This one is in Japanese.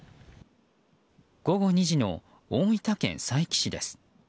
午後２時の大分県佐伯市です。